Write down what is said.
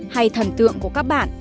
hay thần tượng của các bạn